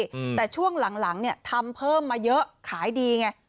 อืมแต่ช่วงหลังหลังเนี้ยทำเพิ่มมาเยอะขายดีไง